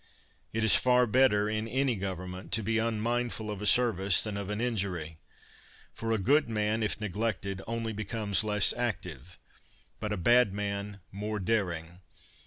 It is far better, in any government, to be unmindful of a service than of an injury ; for a good man, if neglected, only becomes less active, but a bad man, more daring.